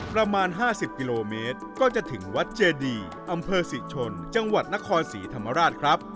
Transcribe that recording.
ประมาณ๕๐กิโลเมตรก็จะถึงวัดเจดีอำเภอศรีชนจังหวัดนครศรีธรรมราชครับ